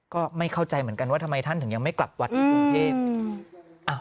ก็ไม่เข้าใจเหมือนกันว่าทำไมท่านถึงยังไม่กลับวัดที่กรุงเทพ